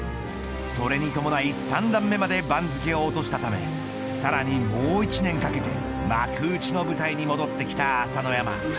それに伴い三段目まで番付を落としたためさらに、もう１年かけて幕内の舞台に戻ってきた朝乃山。